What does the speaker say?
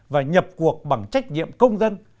và nhập cuộc bằng trách nhiệm công dân